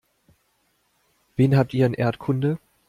Wen habt ihr in Erdkunde?